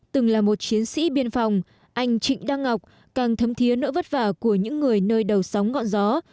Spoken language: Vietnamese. từng là một chiến sĩ biên phòng anh trịnh đăng ngọc càng thấm thiế nỗi vất vả của những người nơi đầu sóng ngọn gió